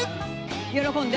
喜んで。